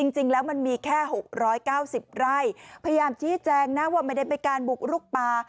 จริงแล้วมันมีแค่๖๙๐ไร่พยายามชี้แจงนะว่าไม่ได้เป็นการบุกลุกป่า